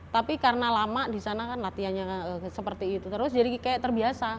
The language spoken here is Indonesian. tapi karena lama di sana kan latihannya seperti itu terus jadi kayak terbiasa